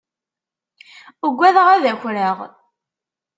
Ugadeɣ ad akreɣ.